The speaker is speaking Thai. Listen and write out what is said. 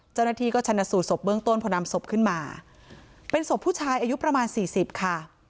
เจ้าหน้าที่ก็ชนะสูตศพเบื้องต้นพอนำศพขึ้นมาเป็นศพผู้ชายอายุประมาณสี่สิบค่ะ